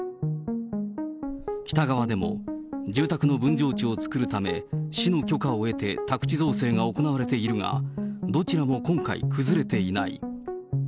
北側でも住宅の分譲地を作るため、市の許可を得て、宅地造成が行われているが、どちらも今回、崩れていない。